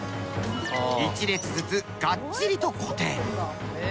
一列ずつがっちりと固定。